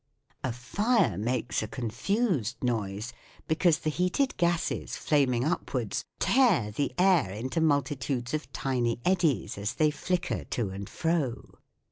A fire makes a confused noise because the heated gases flaming upwards tear the air into multitudes of tiny eddies as they flicker to and fro.